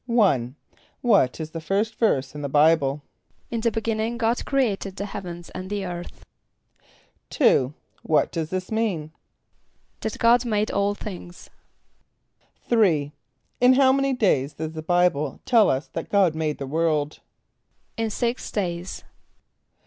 =1.= What is the first verse in the Bible? ="In the beginning God created the heavens and the earth."= =2.= What does this mean? =That God made all things.= =3.= In how many days does the Bible tell us that God made the world? =In six days.